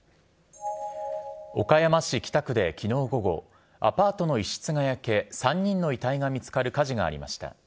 岡山市北区できのう午後、アパートの一室が焼け、３人の遺体が見つかる火事がありました。